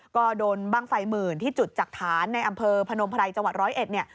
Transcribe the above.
ก็โดนบ้างไฟหมื่นที่จุดจักรฐานในอำเภอพนมไพรจังหวัด๑๐๑